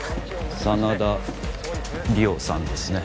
真田梨央さんですね